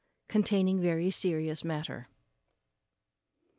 Containing very mysterious matter.